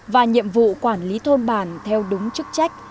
và nhiệm vụ quản lý thôn bản theo đúng chức trách